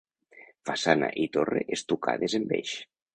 Façana i torre estucades en beix.